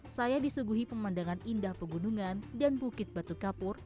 saya disuguhi pemandangan indah pegunungan dan bukit batu kapur